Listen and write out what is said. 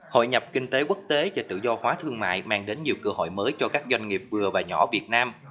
hội nhập kinh tế quốc tế và tự do hóa thương mại mang đến nhiều cơ hội mới cho các doanh nghiệp vừa và nhỏ việt nam